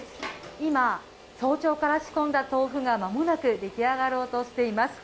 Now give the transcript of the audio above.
今、早朝から仕込んだ豆腐がまもなく出来上がろうとしています。